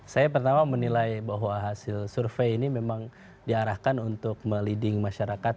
saya pertama menilai bahwa hasil survei ini memang diarahkan untuk meleading masyarakat